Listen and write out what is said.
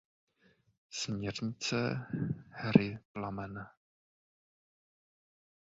Směrnice hry Plamen.